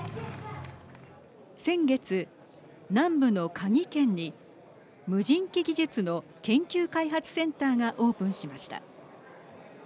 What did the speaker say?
先月、南部の嘉義県に無人機技術の研究開発センターがオープンしました。